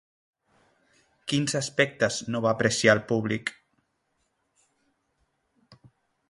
Quins aspectes no va apreciar el públic?